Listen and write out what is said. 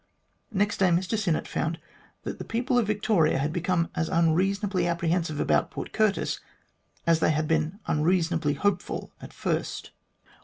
Next day Mr Sinnett found that the people of Victoria had become as unreason ably apprehensive about Port Curtis as they had been .unreasonably hopeful at first.